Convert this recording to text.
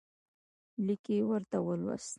لیک یې ورته ولوست.